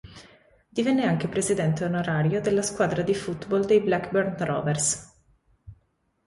Divenne anche presidente onorario della squadra di football dei Blackburn Rovers.